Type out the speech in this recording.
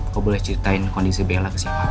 kau boleh ceritain kondisi bella kesempatan